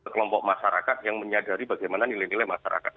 kelompok masyarakat yang menyadari bagaimana nilai nilai masyarakat